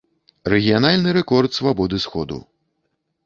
Рэгіянальны рэкорд свабоды сходу.